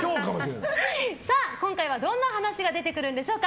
今回はどんな話が出てくるんでしょうか。